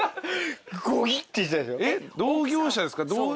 同業者ですか？